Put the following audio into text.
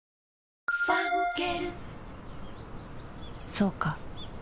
そうか